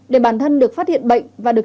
để bản thân được phát hiện bệnh và được